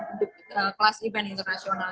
untuk kelas event internasional